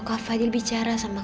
kak fadil gak sadar